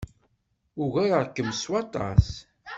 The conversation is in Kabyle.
Ugareɣ-kem s waṭas.